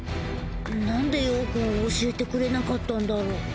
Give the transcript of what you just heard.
なんで葉くん教えてくれなかったんだろう。